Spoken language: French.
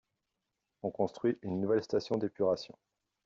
On construit une nouvelle station d'épuration.